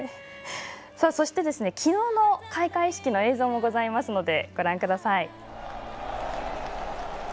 そしてきのうの開会式の映像もございますのでご覧ください。